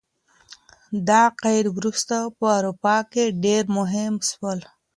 دا عقاید وروسته په اروپا کي ډیر مهم سول.